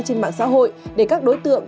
trên mạng xã hội để các đối tượng